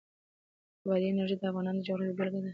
بادي انرژي د افغانستان د جغرافیې بېلګه ده.